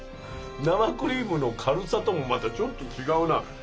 生クリームの軽さともまたちょっと違うな。